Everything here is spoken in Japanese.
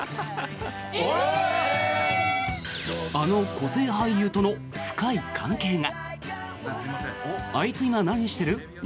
あの個性派俳優との深い関係が。